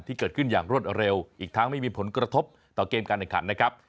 ที่เกิดขึ้นอย่างรวดเร็วอีกทั้งไม่มีผลกระทบต่อเกมการแข่งขันนะครับ